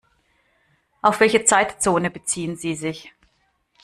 Auf welche Zeitzone beziehen Sie sich?